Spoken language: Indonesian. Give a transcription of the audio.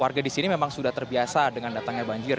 warga di sini memang sudah terbiasa dengan datangnya banjir